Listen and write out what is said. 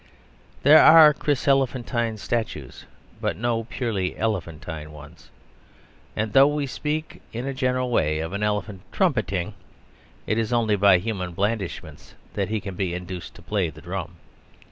There are Chryselephantine statues, but no purely elephantine ones. And, though we speak in a general way of an elephant trumpeting, it is only by human blandishments that he can be induced to play the drum.